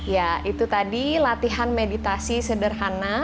ya itu tadi latihan meditasi sederhana